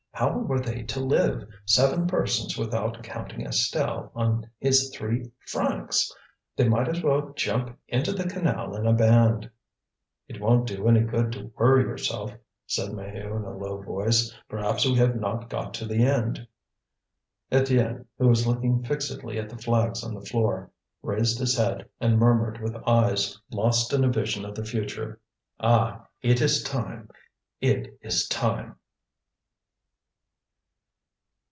How were they to live, seven persons without counting Estelle, on his three francs? They might as well jump into the canal in a band. "It won't do any good to worry yourself," said Maheu in a low voice, "perhaps we have not got to the end." Étienne, who was looking fixedly at the flags on the floor, raised his head, and murmured with eyes lost in a vision of the future: "Ah! it is time! it is time!"